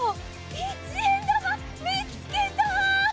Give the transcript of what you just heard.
一円玉、見つけた！